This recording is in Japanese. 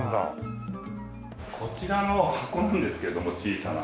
こちらの箱なんですけども小さな。